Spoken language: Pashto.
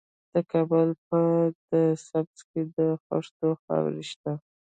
د کابل په ده سبز کې د خښتو خاوره شته.